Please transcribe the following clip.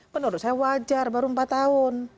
menurut saya wajar baru empat tahun